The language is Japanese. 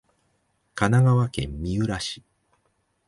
神奈川県三浦市